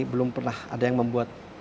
belum pernah ada yang membuat